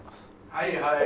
はいはい！